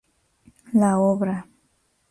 La obra.